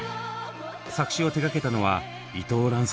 作詞を手がけたのは伊藤蘭さん。